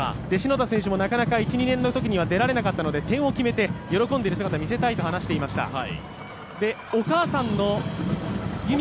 篠田選手も１２年のときは出られなかったので点を決めて喜んでいる姿を見せたいと話していました。